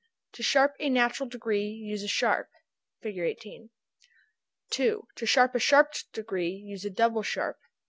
To sharp a natural degree, use a sharp. Fig. 18. 2. To sharp a sharped degree, use a double sharp.